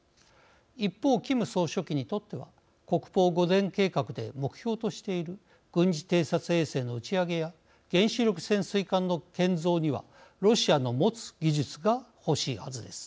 一方キム総書記にとっては国防五か年計画で目標としている軍事偵察衛星の打ち上げや原子力潜水艦の建造にはロシアの持つ技術が欲しいはずです。